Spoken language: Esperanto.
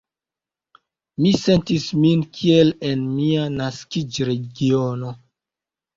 Mi sentis min kiel en mia naskiĝregiono.